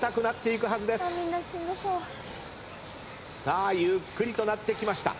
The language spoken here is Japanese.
さあゆっくりとなってきました。